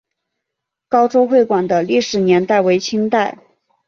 高州会馆的历史年代为清代。